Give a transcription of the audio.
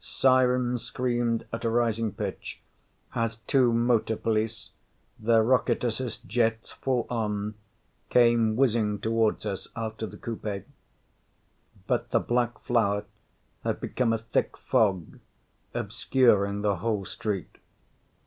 Sirens screamed at a rising pitch as two motor police, their rocket assist jets full on, came whizzing toward us after the coupe. But the black flower had become a thick fog obscuring the whole street.